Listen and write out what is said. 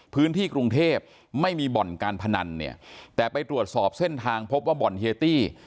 พื้นที่กรุงเทพไม่มีบ่อนการพนันเนี่ยแต่ไปตรวจสอบเส้นทางพบว่าบ่อนเฮียตี้